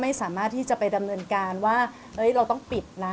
ไม่สามารถที่จะไปดำเนินการว่าเราต้องปิดนะ